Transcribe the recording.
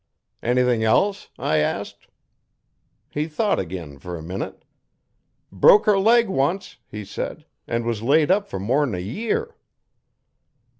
'"Anything else?" I asked. 'He thought agin fer a minute. '"Broke her leg once," he said, "an' was laid up fer more'n a year."